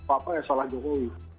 apa yang salah jokowi